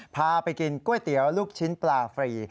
พาไปกินก๋วยเตี๋ยวลูกชิ้นปลาฟรี